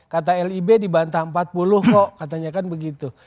kata lib dibantah empat puluh kok katanya kan begitu